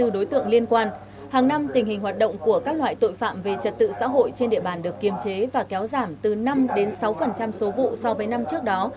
năm mươi ba hai mươi bốn đối tượng liên quan hàng năm tình hình hoạt động của các loại tội phạm về trật tự xã hội trên địa bàn được kiêm chế và kéo giảm từ năm sáu số vụ so với năm trước đó